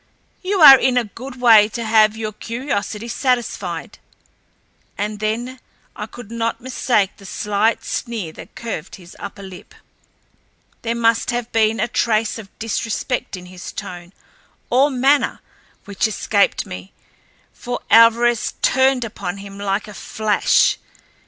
"You are in a good way to have your curiosity satisfied." And then I could not mistake the slight sneer that curved his upper lip. There must have been a trace of disrespect in his tone or manner which escaped me, for Alvarez turned upon him like a flash.